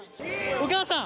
お母さん！